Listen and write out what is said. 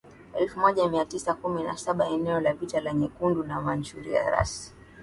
elfu moja mia tisa kumi na sabaEneo la vita Nyekundu ni Manchuria rasi